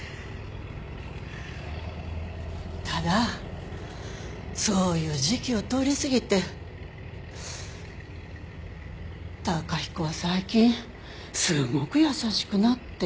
ただそういう時期を通り過ぎて崇彦は最近すごく優しくなって。